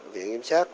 viện kiểm soát